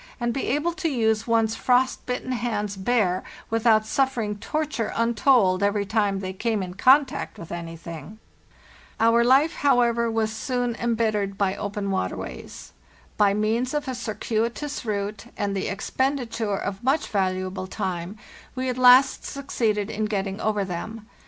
and be able to use one's frost bitten hands bare, without suffer ing torture untold every time they came in contact with anything. 198 FARTHEST NORTH "Our life, however, was soon embittered by open water ways. By means of a circuitous route, and the expenditure of much valuable time, we at last suc ceeded in getting over them.